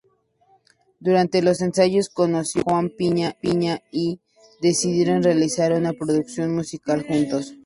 Durante los ensayos conoció a Juan Piña y decidieron realizar una producción musical juntos.